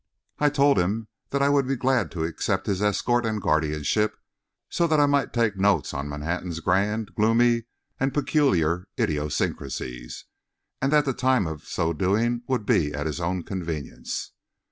I told him that I would be glad to accept his escort and guardianship so that I might take notes of Manhattan's grand, gloomy and peculiar idiosyncrasies, and that the time of so doing would be at his own convenience.